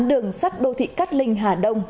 đường sắt đô thị cát linh hà đông